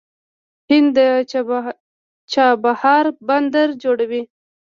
هند د چابهار بندر جوړوي.